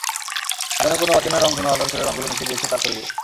যেন কোনো অচেনা রংধনু আদর করে রঙগুলো মেখে দিয়েছে তার শরীরে।